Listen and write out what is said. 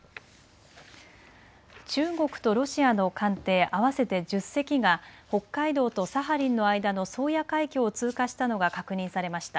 中国とロシアの艦艇合わせて１０隻が北海道とサハリンの間の宗谷海峡を通過したのが確認されました。